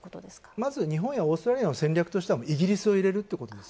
まず、日本やオーストラリアの戦略としてはイギリスを入れるということです。